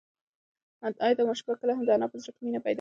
ایا دا ماشوم به کله هم د انا په زړه کې مینه پیدا کړي؟